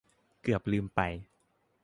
เกือบลืมไป